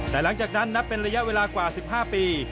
แต่หลังจากนั้นนับเป็นระยะเวลากว่า๑๕ปี